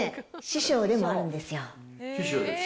師匠です。